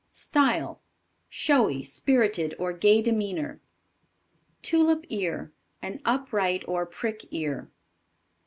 Style. Showy, spirited, or gay demeanor. Tulip ear. An upright or prick ear.